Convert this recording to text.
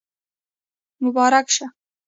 مبارک شه